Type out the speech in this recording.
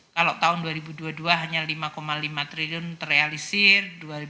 kalau tahun dua ribu dua puluh dua hanya lima lima triliun terrealisir